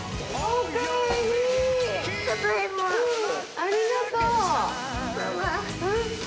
ありがとう！ママ。